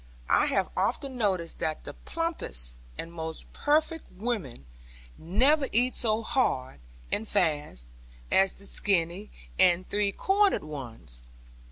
And I have often noticed that the plumpest and most perfect women never eat so hard and fast as the skinny and three cornered ones.